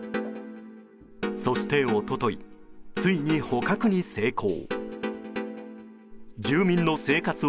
そして、一昨日ついに捕獲に成功。